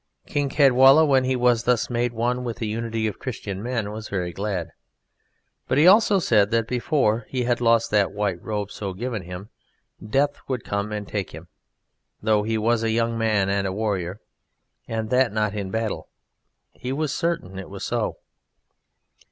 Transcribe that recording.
King Caedwalla, when he was thus made one with the unity of Christian men, was very glad. But he also said that before he had lost that white robe so given him, death would come and take him (though he was a young man and a warrior), and that not in battle. He was certain it was so.